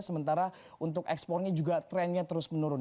sementara untuk ekspornya juga trennya terus menurun